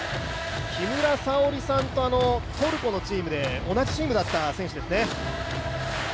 木村沙織さんとトルコのチームで同じチームだった選手ですね。